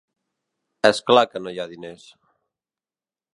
És clar que no hi ha diners.